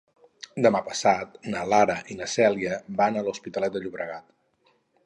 Demà passat na Lara i na Cèlia van a l'Hospitalet de Llobregat.